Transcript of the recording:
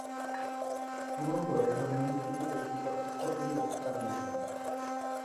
পুরন্দর একবার ননির দিকে অগ্নিকটাক্ষ ফেলিয়া চালিয়া গেল।